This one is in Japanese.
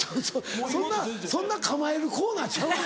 そんなそんな構えるコーナーちゃう。